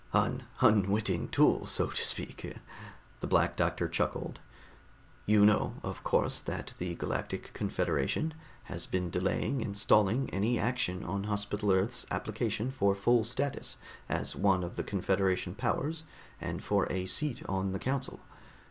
"An unwitting tool, so to speak," the Black Doctor chuckled. "You know, of course, that the Galactic Confederation has been delaying and stalling any action on Hospital Earth's application for full status as one of the Confederation powers and for a seat on the council.